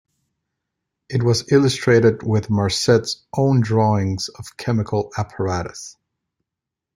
It was illustrated with Marcet's own drawings of chemical apparatus.